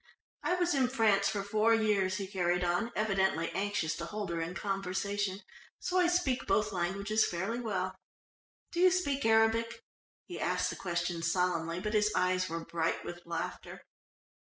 "I was in France for four years," he carried on, evidently anxious to hold her in conversation, "so I speak both languages fairly well. Do you speak Arabic?" He asked the question solemnly, but his eyes were bright with laughter.